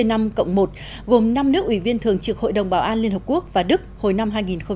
gồm năm nước ủy viên thường trực hội đồng bảo an liên hợp quốc và đức hồi năm hai nghìn một mươi năm